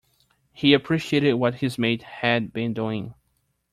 He appreciated what his mate had been doing.